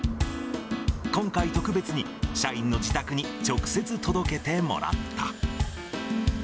今回、特別に社員の自宅に直接、届けてもらった。